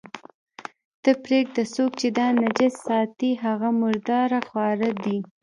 ته پرېږده، څوک چې دا نجس ساتي، هغه مرداره خواره دي.